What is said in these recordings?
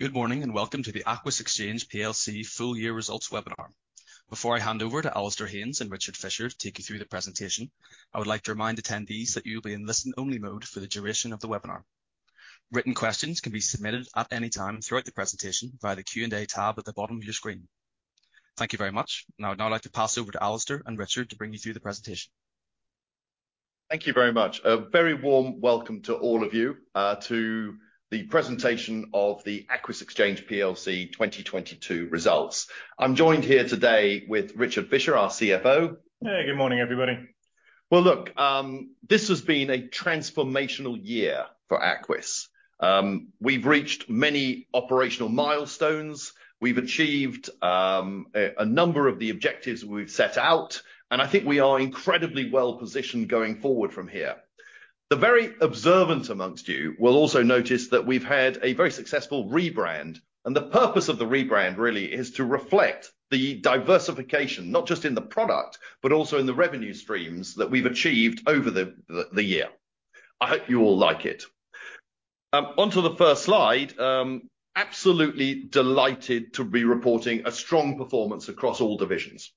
Good morning, welcome to the Aquis Exchange PLC full year results webinar. Before I hand over to Alasdair Haynes and Richard Fisher to take you through the presentation, I would like to remind attendees that you'll be in listen-only mode for the duration of the webinar. Written questions can be submitted at any time throughout the presentation via the Q&A tab at the bottom of your screen. Thank you very much. I would now like to pass over to Alasdair and Richard to bring you through the presentation. Thank you very much. A very warm welcome to all of you, to the presentation of the Aquis Exchange PLC 2022 results. I'm joined here today with Richard Fisher, our CFO. Hey, good morning, everybody. Well, look, this has been a transformational year for Aquis. We've reached many operational milestones. We've achieved a number of the objectives we've set out, I think we are incredibly well-positioned going forward from here. The very observant amongst you will also notice that we've had a very successful rebrand, the purpose of the rebrand really is to reflect the diversification, not just in the product, but also in the revenue streams that we've achieved over the year. I hope you all like it. Onto the first slide, absolutely delighted to be reporting a strong performance across all divisions.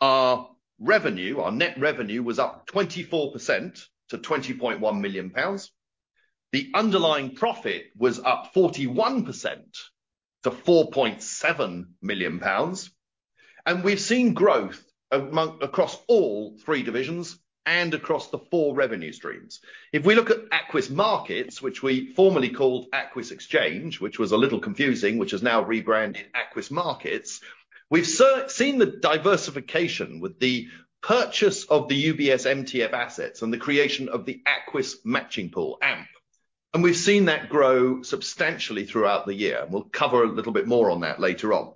Our revenue, our net revenue was up 24% to 20.1 million pounds. The underlying profit was up 41% to 4.7 million pounds. We've seen growth across all three divisions and across the four revenue streams. If we look at Aquis Markets, which we formerly called Aquis Exchange, which was a little confusing, which is now rebranded Aquis Markets, we've seen the diversification with the purchase of the UBS MTF assets and the creation of the Aquis Matching Pool, AMP. We've seen that grow substantially throughout the year. We'll cover a little bit more on that later on.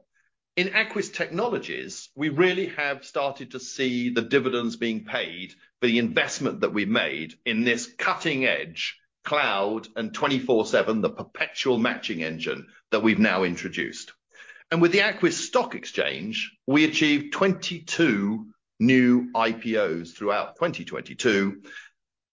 In Aquis Technologies, we really have started to see the dividends being paid for the investment that we made in this cutting-edge cloud and 24/7, the perpetual matching engine that we've now introduced. With the Aquis Stock Exchange, we achieved 22 new IPOs throughout 2022,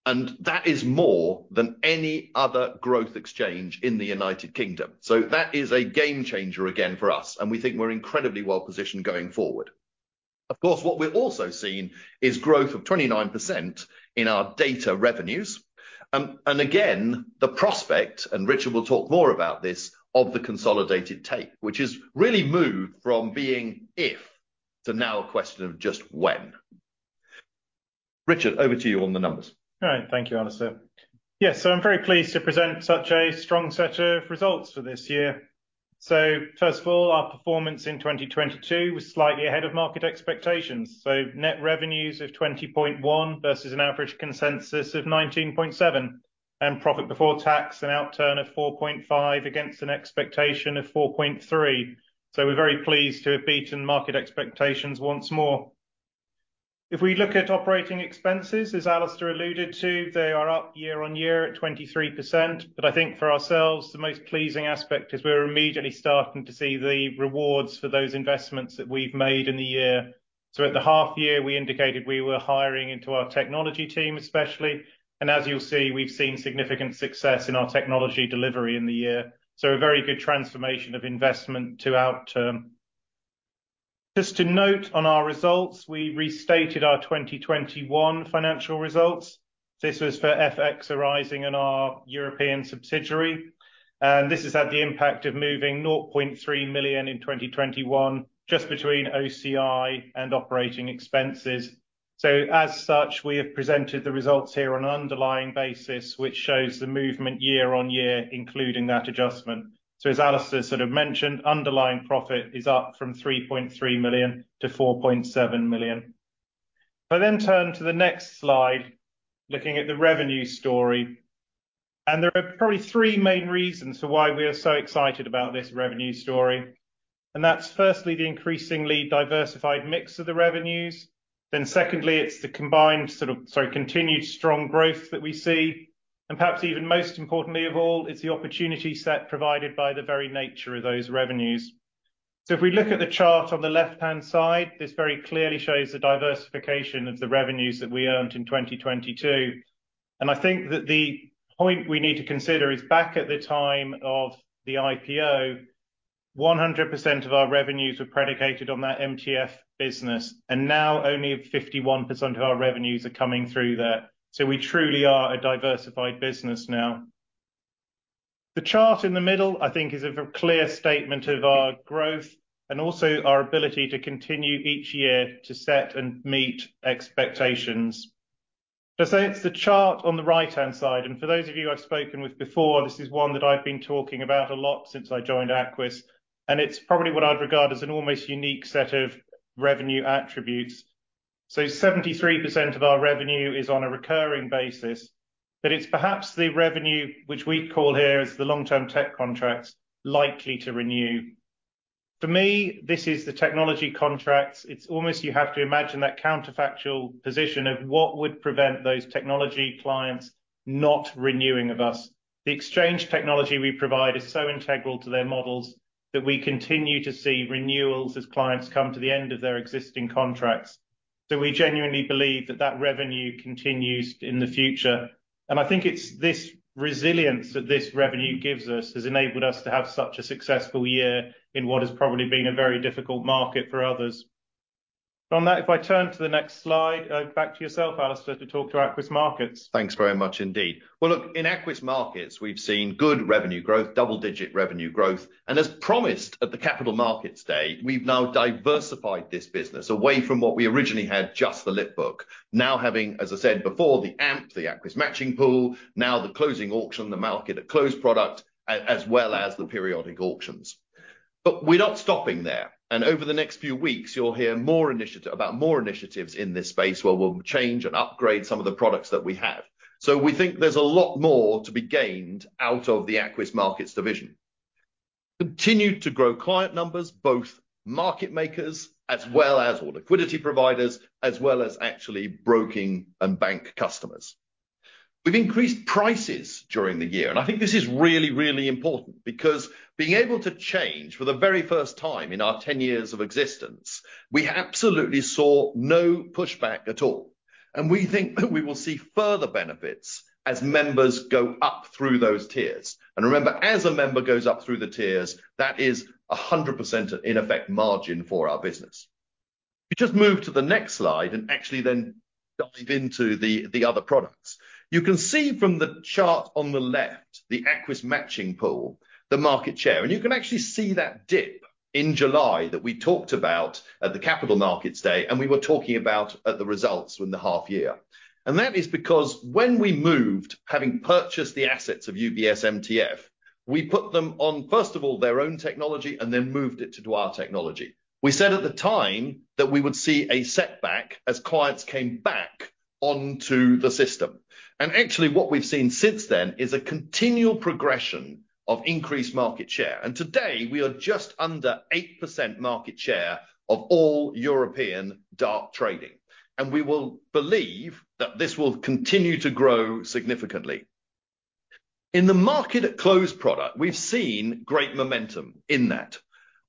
and that is more than any other growth exchange in the United Kingdom. That is a game changer again for us, and we think we're incredibly well-positioned going forward. Of course, what we're also seeing is growth of 29% in our data revenues. Again, the prospect, and Richard will talk more about this, of the consolidated tape, which has really moved from being if to now a question of just when. Richard, over to you on the numbers. All right. Thank you, Alasdair. Yes. I'm very pleased to present such a strong set of results for this year. First of all, our performance in 2022 was slightly ahead of market expectations. Net revenues of 20.1 versus an average consensus of 19.7. Profit before tax, an outturn of 4.5 against an expectation of 4.3. We're very pleased to have beaten market expectations once more. If we look at operating expenses, as Alasdair alluded to, they are up year-on-year at 23%. I think for ourselves, the most pleasing aspect is we're immediately starting to see the rewards for those investments that we've made in the year. At the half year, we indicated we were hiring into our technology team, especially. As you'll see, we've seen significant success in our technology delivery in the year. A very good transformation of investment to outturn. Just to note on our results, we restated our 2021 financial results. This was for FX arising in our European subsidiary. This has had the impact of moving 0.3 million in 2021 just between OCI and operating expenses. As such, we have presented the results here on an underlying basis, which shows the movement year-on-year, including that adjustment. As Alasdair sort of mentioned, underlying profit is up from 3.3 million to 4.7 million. If I then turn to the next slide, looking at the revenue story. There are probably three main reasons for why we are so excited about this revenue story. That's firstly, the increasingly diversified mix of the revenues. Secondly, it's the combined sort of, sorry, continued strong growth that we see. Perhaps even most importantly of all, it's the opportunity set provided by the very nature of those revenues. If we look at the chart on the left-hand side, this very clearly shows the diversification of the revenues that we earned in 2022. I think that the point we need to consider is back at the time of the IPO, 100% of our revenues were predicated on that MTF business, and now only 51% of our revenues are coming through there. We truly are a diversified business now. The chart in the middle, I think is a clear statement of our growth and also our ability to continue each year to set and meet expectations. Just say it's the chart on the right-hand side. For those of you I've spoken with before, this is one that I've been talking about a lot since I joined Aquis, and it's probably what I'd regard as an almost unique set of revenue attributes. Seventy-three percent of our revenue is on a recurring basis, but it's perhaps the revenue which we call here as the long-term tech contracts likely to renew. For me, this is the technology contracts. It's almost you have to imagine that counterfactual position of what would prevent those technology clients not renewing of us. The exchange technology we provide is so integral to their models that we continue to see renewals as clients come to the end of their existing contracts. Do we genuinely believe that that revenue continues in the future? I think it's this resilience that this revenue gives us has enabled us to have such a successful year in what has probably been a very difficult market for others. From that, if I turn to the next slide, back to yourself, Alasdair, to talk to Aquis Markets. Thanks very much indeed. Well, look, in Aquis Markets, we've seen good revenue growth, double-digit revenue growth. As promised at the Capital Markets Day, we've now diversified this business away from what we originally had, just the lit book. Now, having, as I said before, the AMP, the Aquis Matching Pool, now the closing auction, the Market at Close product, as well as the periodic auctions. We're not stopping there, and over the next few weeks, you'll hear about more initiatives in this space where we'll change and upgrade some of the products that we have. We think there's a lot more to be gained out of the Aquis Markets division. Continue to grow client numbers, both market makers as well as all liquidity providers, as well as actually broking and bank customers. We've increased prices during the year, I think this is really, really important because being able to change for the very first time in our 10 years of existence, we absolutely saw no pushback at all. We think that we will see further benefits as members go up through those tiers. Remember, as a member goes up through the tiers, that is a 100% in effect margin for our business. If you just move to the next slide and actually then dive into the other products. You can see from the chart on the left, the Aquis Matching Pool, the market share. You can actually see that dip in July that we talked about at the Capital Markets Day, and we were talking about at the results in the half year. That is because when we moved, having purchased the assets of UBS MTF, we put them on, first of all, their own technology and then moved it to our technology. We said at the time that we would see a setback as clients came back onto the system. Actually, what we've seen since then is a continual progression of increased market share. Today, we are just under 8% market share of all European dark trading, and we will believe that this will continue to grow significantly. In the Market at Close product, we've seen great momentum in that.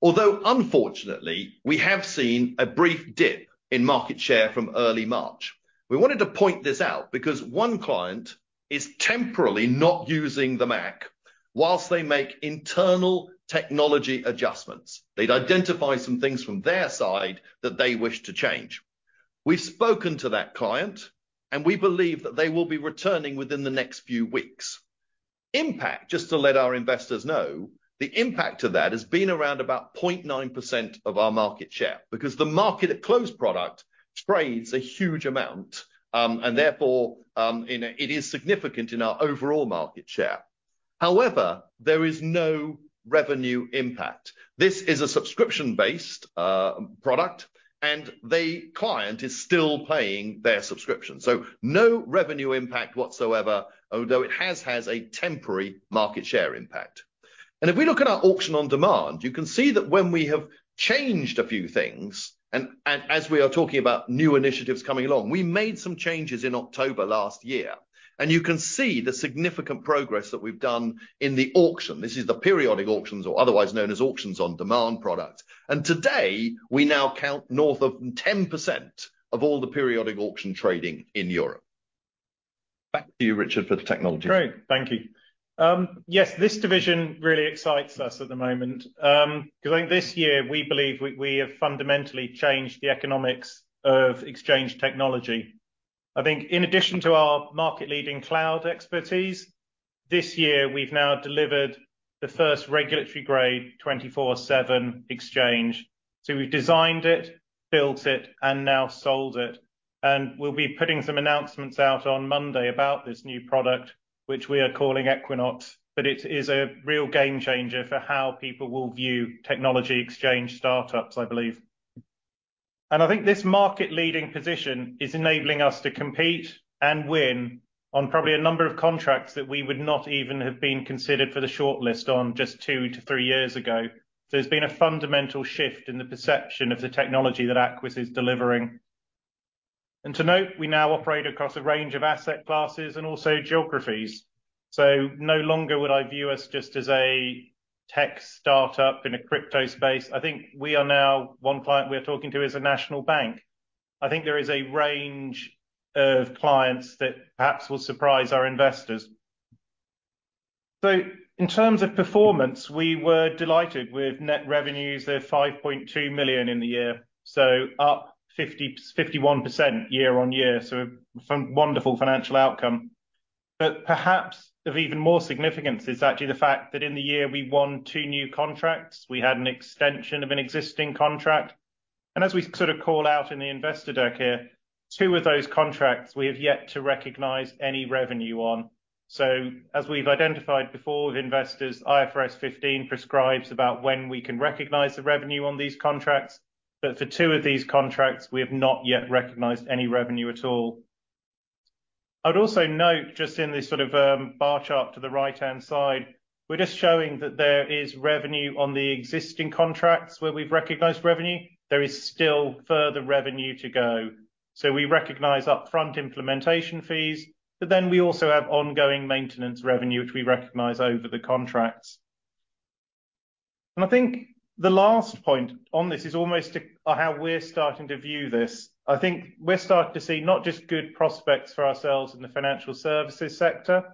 Although unfortunately, we have seen a brief dip in market share from early March. We wanted to point this out because one client is temporarily not using the MAC whilst they make internal technology adjustments. They'd identified some things from their side that they wished to change. We've spoken to that client, and we believe that they will be returning within the next few weeks. Impact, just to let our investors know, the impact of that has been around about 0.9% of our market share because the Market at Close product trades a huge amount, and therefore, you know, it is significant in our overall market share. However, there is no revenue impact. This is a subscription-based product, and the client is still paying their subscription. No revenue impact whatsoever, although it has a temporary market share impact. If we look at our Auction on Demand, you can see that when we have changed a few things, and as we are talking about new initiatives coming along, we made some changes in October last year, and you can see the significant progress that we've done in the auction. This is the periodic auctions or otherwise known as Auction on Demand products. Today, we now count north of 10% of all the periodic auction trading in Europe. Back to you, Richard, for the technology. Great. Thank you. Yes, this division really excites us at the moment, cause I think this year we believe we have fundamentally changed the economics of exchange technology. I think in addition to our market leading cloud expertise, this year, we've now delivered the first regulatory grade 24/7 exchange. We've designed it, built it, and now sold it. We'll be putting some announcements out on Monday about this new product, which we are calling Equinox. It is a real game changer for how people will view technology exchange startups, I believe. I think this market leading position is enabling us to compete and win on probably a number of contracts that we would not even have been considered for the shortlist on just 2 to 3 years ago. There's been a fundamental shift in the perception of the technology that Aquis is delivering. To note, we now operate across a range of asset classes and also geographies. No longer would I view us just as a tech start up in a crypto space. One client we are talking to is a national bank. I think there is a range of clients that perhaps will surprise our investors. In terms of performance, we were delighted with net revenues of 5.2 million in the year, so up 50%-51% year-on-year. Some wonderful financial outcome. Perhaps of even more significance is actually the fact that in the year we won two new contracts, we had an extension of an existing contract. As we sort of call out in the investor deck here, two of those contracts we have yet to recognize any revenue on. As we've identified before with investors, IFRS 15 prescribes about when we can recognize the revenue on these contracts. For two of these contracts, we have not yet recognized any revenue at all. I would also note just in this sort of bar chart to the right-hand side, we're just showing that there is revenue on the existing contracts where we've recognized revenue. There is still further revenue to go. We recognize upfront implementation fees, but then we also have ongoing maintenance revenue, which we recognize over the contracts. I think the last point on this is almost how we're starting to view this. I think we're starting to see not just good prospects for ourselves in the financial services sector,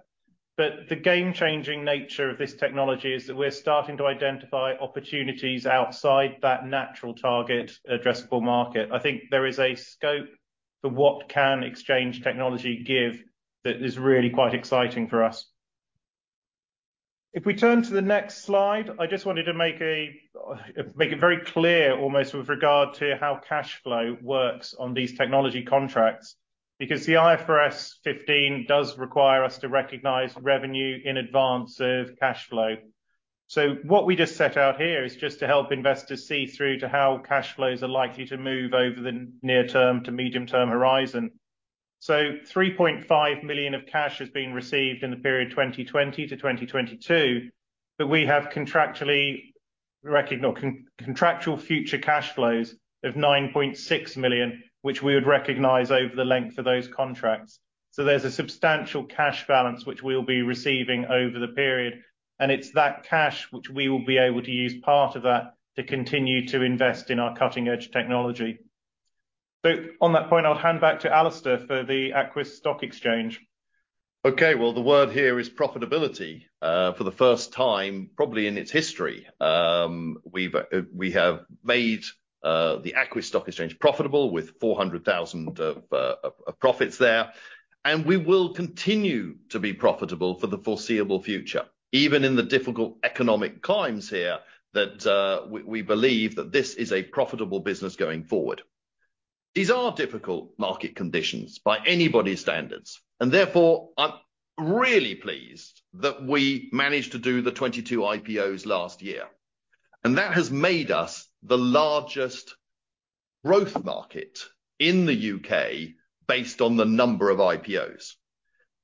but the game-changing nature of this technology is that we're starting to identify opportunities outside that natural target addressable market. I think there is a scope for what can exchange technology give that is really quite exciting for us. If we turn to the next slide, I just wanted to make it very clear almost with regard to how cash flow works on these technology contracts, because the IFRS 15 does require us to recognize revenue in advance of cash flow. What we just set out here is just to help investors see through to how cash flows are likely to move over the near term to medium-term horizon. Three point five million of cash has been received in the period 2020 to 2022, but we have contractual future cash flows of 9.6 million, which we would recognize over the length of those contracts. There's a substantial cash balance which we'll be receiving over the period, and it's that cash which we will be able to use part of that to continue to invest in our cutting-edge technology. On that point, I'll hand back to Alasdair for the Aquis Stock Exchange. Okay. Well, the word here is profitability. For the first time, probably in its history, we have made the Aquis Stock Exchange profitable with 400 thousand of profits there. We will continue to be profitable for the foreseeable future. Even in the difficult economic climes here that we believe that this is a profitable business going forward. These are difficult market conditions by anybody's standards, and therefore I'm really pleased that we managed to do the 22 IPOs last year. That has made us the largest growth market in the UK based on the number of IPOs.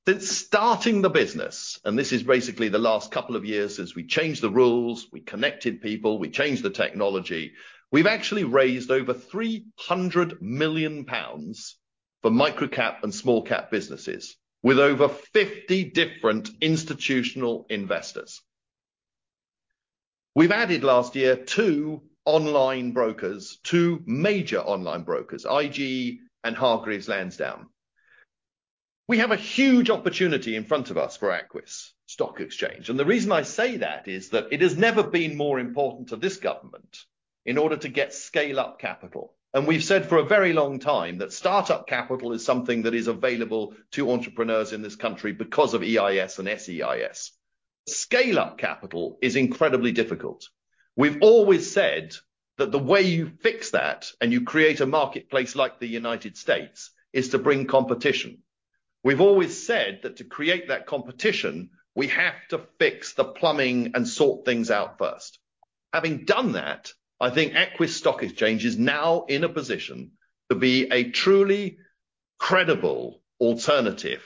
Since starting the business, and this is basically the last couple of years since we changed the rules, we connected people, we changed the technology. We've actually raised over 300 million pounds for micro-cap and small-cap businesses with over 50 different institutional investors. We've added last year two online brokers, two major online brokers, IG and Hargreaves Lansdown. We have a huge opportunity in front of us for Aquis Stock Exchange. The reason I say that is that it has never been more important to this government in order to get scale-up capital. We've said for a very long time that start-up capital is something that is available to entrepreneurs in this country because of EIS and SEIS. Scale-up capital is incredibly difficult. We've always said that the way you fix that, and you create a marketplace like the United States, is to bring competition. We've always said that to create that competition, we have to fix the plumbing and sort things out first. Having done that, I think Aquis Stock Exchange is now in a position to be a truly credible alternative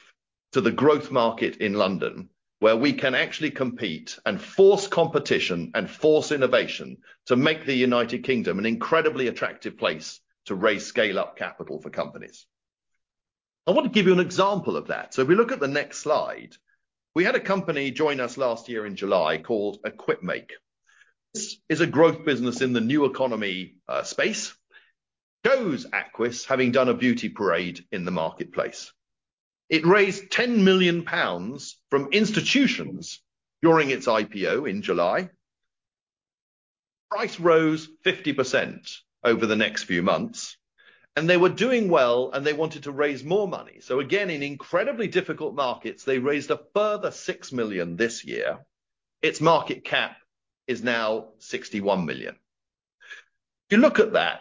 to the growth market in London, where we can actually compete and force competition and force innovation to make the United Kingdom an incredibly attractive place to raise scale-up capital for companies. I want to give you an example of that. If we look at the next slide, we had a company join us last year in July called Equipmake. This is a growth business in the new economy space. Goes Aquis having done a beauty parade in the marketplace. It raised 10 million pounds from institutions during its IPO in July. Price rose 50% over the next few months, and they were doing well, and they wanted to raise more money. Again, in incredibly difficult markets, they raised a further 6 million this year. Its market cap is now 61 million. If you look at that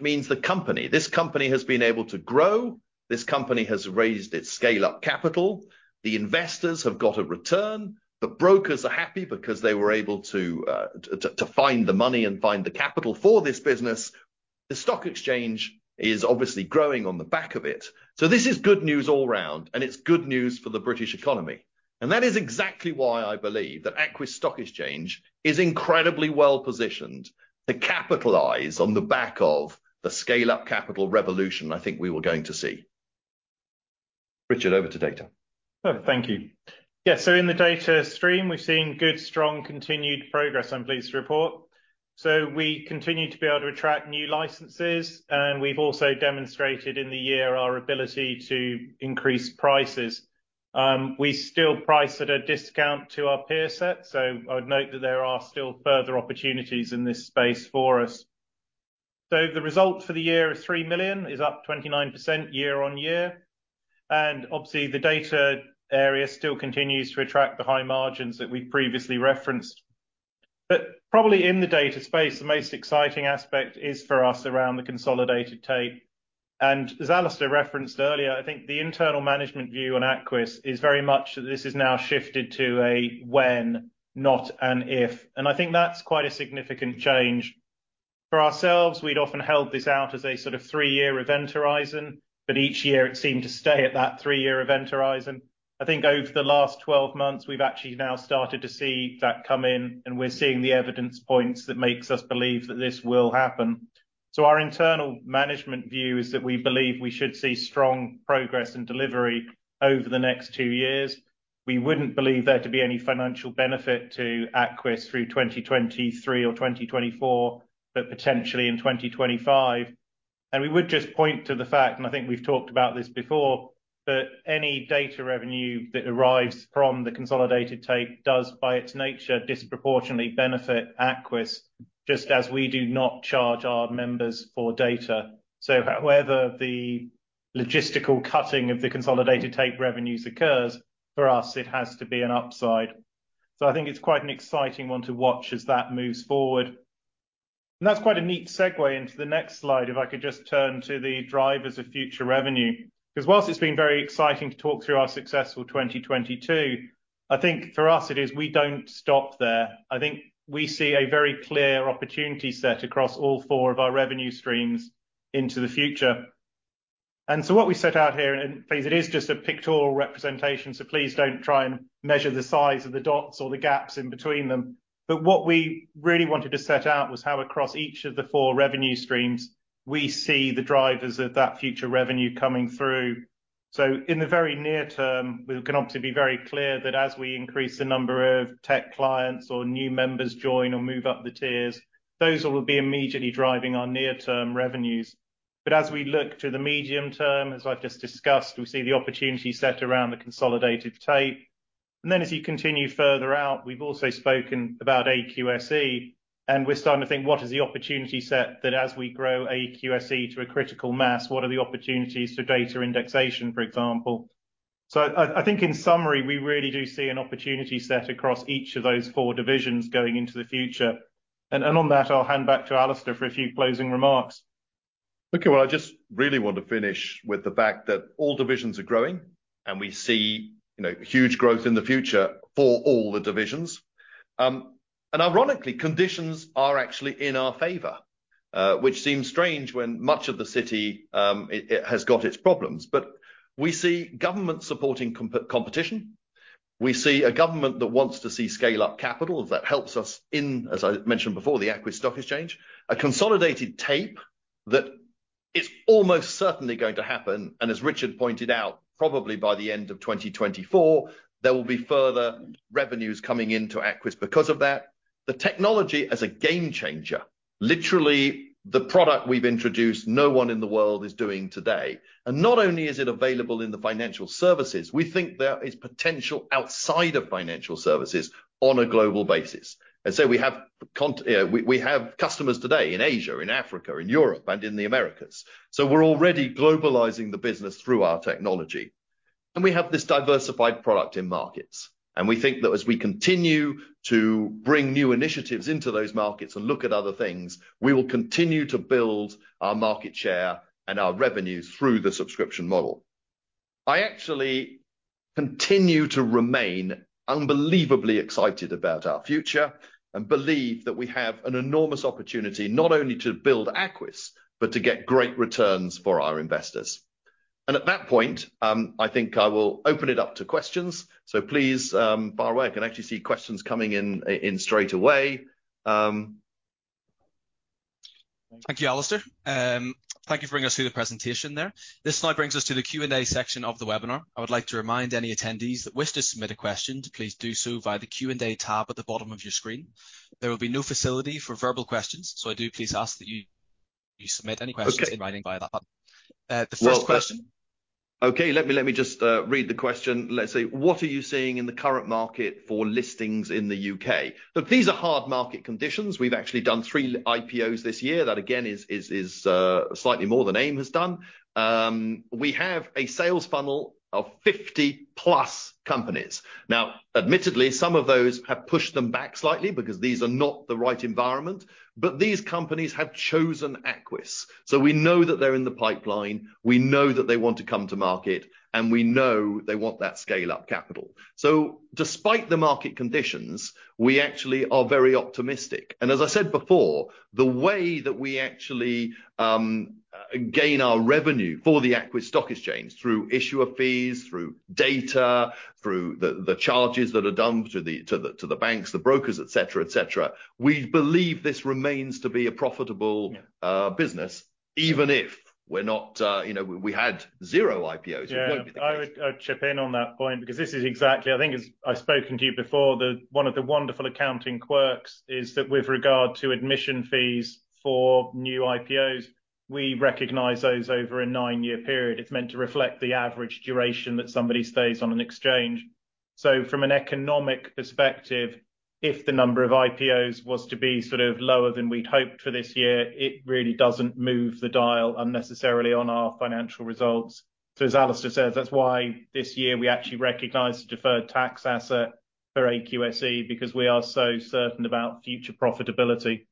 means the company, this company has been able to grow. This company has raised its scale-up capital. The investors have got a return. The brokers are happy because they were able to find the money and find the capital for this business. The stock exchange is obviously growing on the back of it. This is good news all around, and it's good news for the British economy. That is exactly why I believe that Aquis Stock Exchange is incredibly well-positioned to capitalize on the back of the scale-up capital revolution I think we were going to see. Richard, over to data. Thank you. In the data stream, we've seen good, strong continued progress, I'm pleased to report. We continue to be able to attract new licenses, and we've also demonstrated in the year our ability to increase prices. We still price at a discount to our peer set, so I would note that there are still further opportunities in this space for us. The result for the year of 3 million is up 29% year-on-year, and obviously, the data area still continues to attract the high margins that we previously referenced. Probably in the data space, the most exciting aspect is for us around the consolidated tape. As Alasdair referenced earlier, I think the internal management view on Aquis is very much that this has now shifted to a when, not an if. I think that's quite a significant change. For ourselves, we'd often held this out as a sort of 3-year event horizon, but each year it seemed to stay at that 3-year event horizon. I think over the last 12 months, we've actually now started to see that come in, and we're seeing the evidence points that makes us believe that this will happen. Our internal management view is that we believe we should see strong progress and delivery over the next 2 years. We wouldn't believe there to be any financial benefit to Aquis through 2023 or 2024, but potentially in 2025. We would just point to the fact, and I think we've talked about this before, but any data revenue that arrives from the consolidated tape does, by its nature, disproportionately benefit Aquis just as we do not charge our members for data. Whether the logistical cutting of the consolidated tape revenues occurs, for us it has to be an upside. I think it's quite an exciting one to watch as that moves forward. That's quite a neat segue into the next slide, if I could just turn to the drivers of future revenue. Cause while it's been very exciting to talk through our successful 2022, I think for us it is we don't stop there. I think we see a very clear opportunity set across all four of our revenue streams into the future. What we set out here, and please it is just a pictorial representation, so please don't try and measure the size of the dots or the gaps in between them. What we really wanted to set out was how across each of the four revenue streams we see the drivers of that future revenue coming through. In the very near term, we can obviously be very clear that as we increase the number of tech clients or new members join or move up the tiers, those will be immediately driving our near-term revenues. As we look to the medium term, as I've just discussed, we see the opportunity set around the consolidated tape. As you continue further out, we've also spoken about AQSE, and we're starting to think, what is the opportunity set that as we grow AQSE to a critical mass, what are the opportunities for data indexation, for example. I think in summary, we really do see an opportunity set across each of those four divisions going into the future. On that I'll hand back to Alasdair for a few closing remarks. Okay. Well, I just really want to finish with the fact that all divisions are growing, and we see, you know, huge growth in the future for all the divisions. Ironically, conditions are actually in our favor, which seems strange when much of the city, it has got its problems. We see government supporting competition. We see a government that wants to see scale-up capital that helps us in, as I mentioned before, the Aquis Stock Exchange. A consolidated tape that is almost certainly going to happen, and as Richard pointed out, probably by the end of 2024 there will be further revenues coming into Aquis because of that. The technology is a game changer. Literally, the product we've introduced, no one in the world is doing today. Not only is it available in the financial services, we think there is potential outside of financial services on a global basis. We have customers today in Asia, in Africa, in Europe, and in the Americas. We're already globalizing the business through our technology. We have this diversified product in markets. We think that as we continue to bring new initiatives into those markets and look at other things, we will continue to build our market share and our revenues through the subscription model. I actually continue to remain unbelievably excited about our future and believe that we have an enormous opportunity not only to build Aquis, but to get great returns for our investors. At that point, I think I will open it up to questions. Please, fire away. I can actually see questions coming in straight away. Thank you, Alasdair. Thank you for bringing us through the presentation there. This now brings us to the Q&A section of the webinar. I would like to remind any attendees that wish to submit a question to please do so via the Q&A tab at the bottom of your screen. There will be no facility for verbal questions, so I do please ask that you submit any questions. Okay ...in writing via that button. The first question. Well, okay, let me just read the question. Let's see. "What are you seeing in the current market for listings in the UK?" These are hard market conditions. We've actually done 3 IPOs this year. That again is slightly more than AIM has done. We have a sales funnel of 50-plus companies. Now, admittedly, some of those have pushed them back slightly because these are not the right environment. These companies have chosen Aquis. We know that they're in the pipeline, we know that they want to come to market, and we know they want that scale-up capital. Despite the market conditions, we actually are very optimistic. As I said before, the way that we actually gain our revenue for the Aquis Stock Exchange through issuer fees, through data, through the charges that are done to the banks, the brokers, et cetera, et cetera, we believe this remains to be a profitable-. Yeah... business even if we're not, you know, we had 0 IPOs. It won't be the case. Yeah. I would, I'd chip in on that point because I think as I've spoken to you before, one of the wonderful accounting quirks is that with regard to admission fees for new IPOs, we recognize those over a 9-year period. It's meant to reflect the average duration that somebody stays on an exchange. From an economic perspective, if the number of IPOs was to be sort of lower than we'd hoped for this year, it really doesn't move the dial unnecessarily on our financial results. As Alasdair says, that's why this year we actually recognized a deferred tax asset for AQSE because we are so certain about future profitability.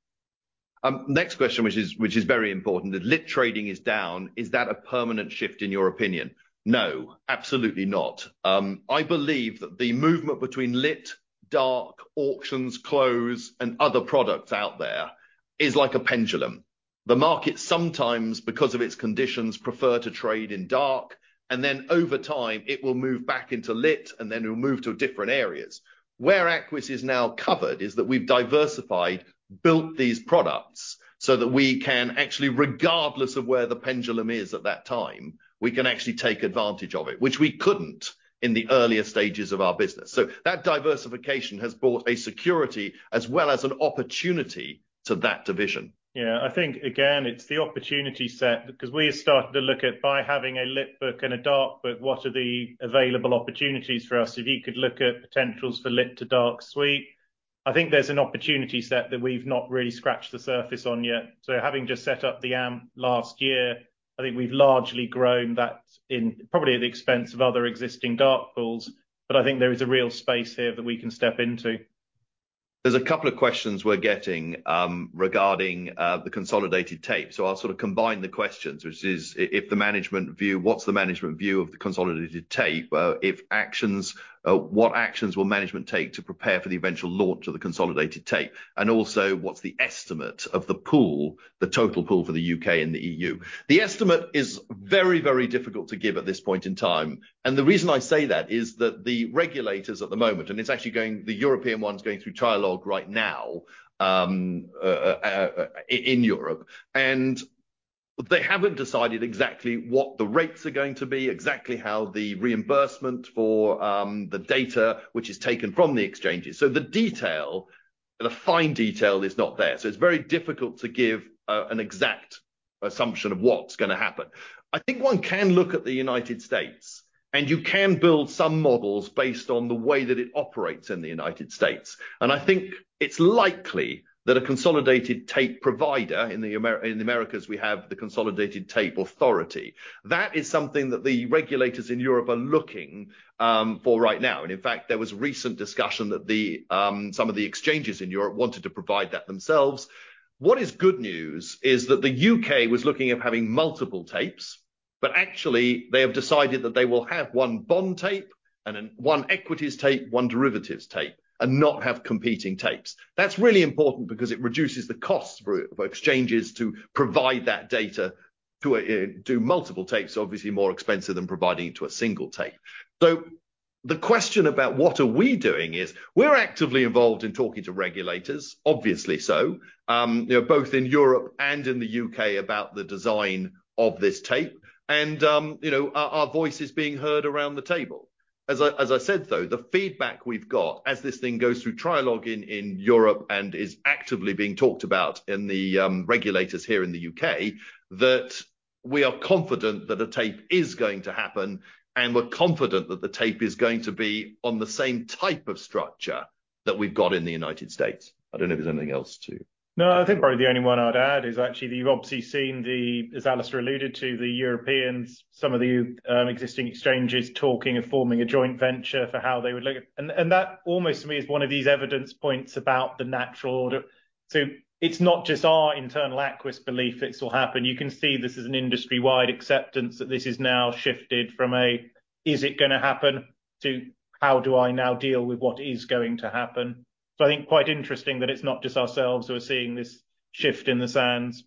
Next question, which is very important. "The lit trading is down. Is that a permanent shift in your opinion?" No, absolutely not. I believe that the movement between lit, dark, auctions, close, and other products out there is like a pendulum. The market sometimes, because of its conditions, prefer to trade in dark, and then over time it will move back into lit, and then it'll move to different areas. Where Aquis is now covered is that we've diversified, built these products so that we can actually, regardless of where the pendulum is at that time, we can actually take advantage of it, which we couldn't in the earlier stages of our business. That diversification has brought a security as well as an opportunity to that division. I think again, it's the opportunity set because we have started to look at by having a lit book and a dark book, what are the available opportunities for us? If you could look at potentials for Dark to Lit Sweep. I think there's an opportunity set that we've not really scratched the surface on yet. Having just set up the AMP last year, I think we've largely grown that in probably at the expense of other existing dark pools, but I think there is a real space here that we can step into. There's a couple of questions we're getting regarding the consolidated tape. I'll sort of combine the questions, which is if the management view, what's the management view of the consolidated tape? If actions, what actions will management take to prepare for the eventual launch of the consolidated tape? Also, what's the estimate of the pool, the total pool for the UK and the EU? The estimate is very, very difficult to give at this point in time. The reason I say that is that the regulators at the moment, it's actually going, the European one's going through trialogue right now in Europe. They haven't decided exactly what the rates are going to be, exactly how the reimbursement for the data which is taken from the exchanges. The detail, the fine detail is not there. It's very difficult to give an exact assumption of what's gonna happen. I think one can look at the United States, and you can build some models based on the way that it operates in the United States. I think it's likely that a consolidated tape provider in the Americas, we have the Consolidated Tape Association. That is something that the regulators in Europe are looking for right now. In fact, there was recent discussion that some of the exchanges in Europe wanted to provide that themselves. What is good news is that the UK was looking at having multiple tapes, but actually, they have decided that they will have one bond tape and then one equities tape, one derivatives tape, and not have competing tapes. That's really important because it reduces the costs for exchanges to provide that data to do multiple tapes, obviously more expensive than providing it to a single tape. The question about what we're doing is we're actively involved in talking to regulators, obviously so, you know, both in Europe and in the UK about the design of this tape. Our voice is being heard around the table. As I said, though, the feedback we've got as this thing goes through trialogue in Europe and is actively being talked about in the regulators here in the UK, that we are confident that a tape is going to happen, and we're confident that the tape is going to be on the same type of structure that we've got in the United States. I don't know if there's anything else to... I think probably the only one I'd add is actually that you've obviously seen the, as Alasdair alluded to, the Europeans, some of the existing exchanges talking of forming a joint venture for how they would look at it. That almost to me is one of these evidence points about the natural order. It's not just our internal Aquis belief this will happen. You can see this is an industry-wide acceptance that this has now shifted from a, "Is it going to happen?" to "How do I now deal with what is going to happen?" I think quite interesting that it's not just ourselves who are seeing this shift in the sands.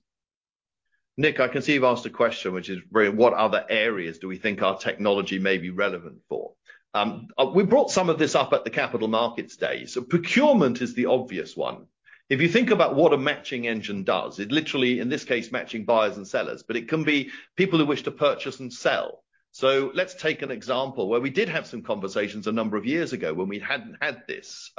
Nick, I can see you've asked a question, which is very, what other areas do we think our technology may be relevant for? We brought some of this up at the Capital Markets Day. Procurement is the obvious one. If you think about what a matching engine does, it literally, in this case, matching buyers and sellers, but it can be people who wish to purchase and sell. Let's take an example where we did have some conversations a number of years ago when we hadn't had this,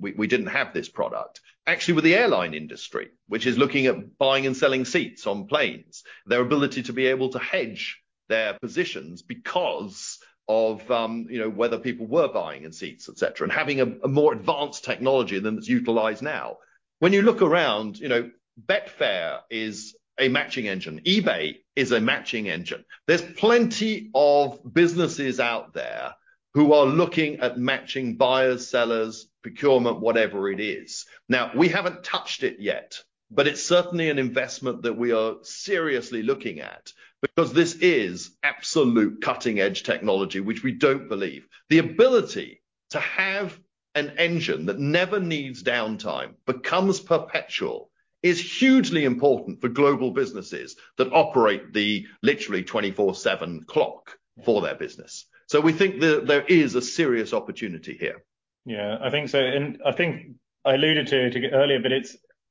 we didn't have this product. Actually, with the airline industry, which is looking at buying and selling seats on planes. Their ability to be able to hedge their positions because of, you know, whether people were buying in seats, et cetera, and having a more advanced technology than it's utilized now. When you look around, you know, Betfair is a matching engine. eBay is a matching engine. There's plenty of businesses out there who are looking at matching buyers, sellers, procurement, whatever it is. Now, we haven't touched it yet, but it's certainly an investment that we are seriously looking at because this is absolute cutting-edge technology which we don't believe. The ability to have an engine that never needs downtime, becomes perpetual, is hugely important for global businesses that operate the literally 24/7 clock for their business. we think there is a serious opportunity here. Yeah, I think so. I think I alluded to it earlier, but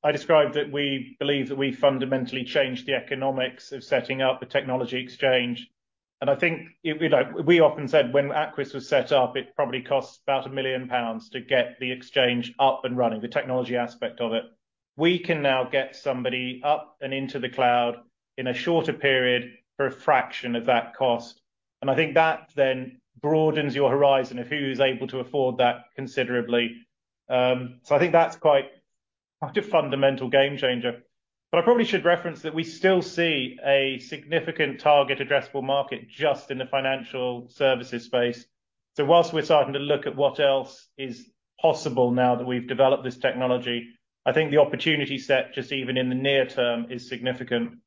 I described that we believe that we fundamentally changed the economics of setting up a technology exchange. I think it, you know, we often said when Aquis was set up, it probably costs about 1 million pounds to get the exchange up and running, the technology aspect of it. We can now get somebody up and into the cloud in a shorter period for a fraction of that cost. I think that then broadens your horizon of who is able to afford that considerably. I think that's quite a fundamental game changer. I probably should reference that we still see a significant target addressable market just in the financial services space. Whilst we're starting to look at what else is possible now that we've developed this technology, I think the opportunity set just even in the near term is significant.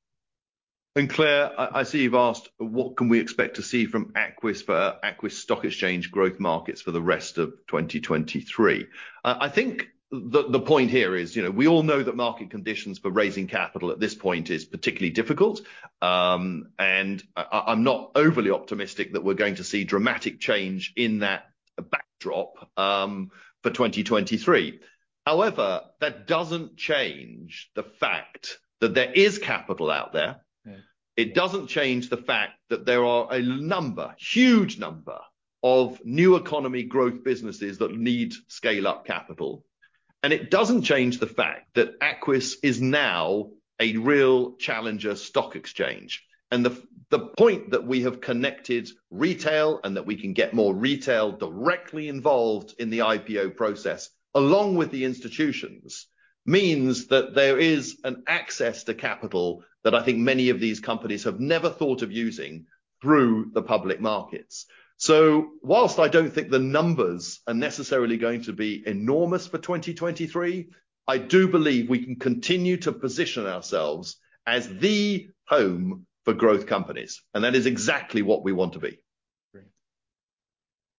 Claire, I see you've asked: What can we expect to see from Aquis for Aquis Stock Exchange growth markets for the rest of 2023? I think the point here is, you know, we all know that market conditions for raising capital at this point is particularly difficult. I'm not overly optimistic that we're going to see dramatic change in that backdrop for 2023. However, that doesn't change the fact that there is capital out there. Yeah. It doesn't change the fact that there are a number, huge number of new economy growth businesses that need scale-up capital. It doesn't change the fact that Aquis is now a real challenger stock exchange. The point that we have connected retail and that we can get more retail directly involved in the IPO process along with the institutions, means that there is an access to capital that I think many of these companies have never thought of using through the public markets. Whilst I don't think the numbers are necessarily going to be enormous for 2023, I do believe we can continue to position ourselves as the home for growth companies, and that is exactly what we want to be.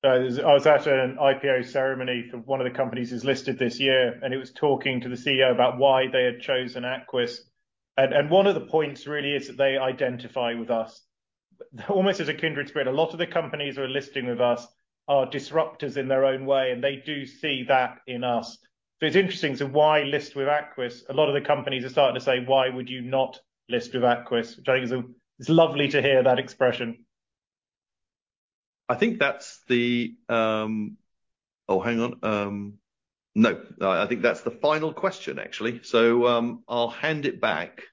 Great. I was at an IPO ceremony for one of the companies who's listed this year, and it was talking to the CEO about why they had chosen Aquis. One of the points really is that they identify with us almost as a kindred spirit. A lot of the companies who are listing with us are disruptors in their own way, and they do see that in us. It's interesting as to why list with Aquis. A lot of the companies are starting to say, "Why would you not list with Aquis?" Which I think it's lovely to hear that expression. I think that's the, Oh, hang on. No. I think that's the final question, actually. I'll hand it back.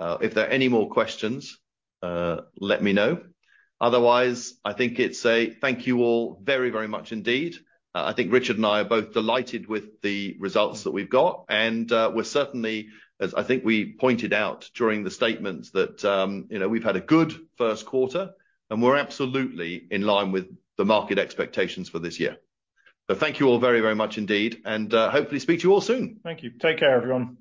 If there are any more questions, let me know. Otherwise, I think it's a thank you all very, very much indeed. I think Richard and I are both delighted with the results that we've got, and we're certainly, as I think we pointed out during the statements that, you know, we've had a good first quarter, and we're absolutely in line with the market expectations for this year. Thank you all very, very much indeed, and hopefully speak to you all soon. Thank you. Take care, everyone.